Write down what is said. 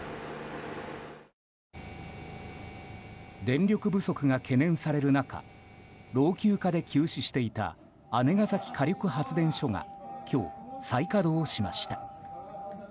電力不足が懸念される中老朽化で休止していた姉崎火力発電所が今日、再稼働しました。